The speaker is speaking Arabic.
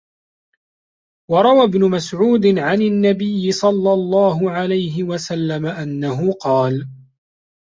وَرَوَى ابْنُ مَسْعُودٍ عَنْ النَّبِيِّ صَلَّى اللَّهُ عَلَيْهِ وَسَلَّمَ أَنَّهُ قَالَ